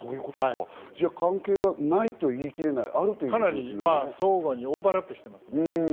関係がないと言い切れない、相互にオーバーラップしています。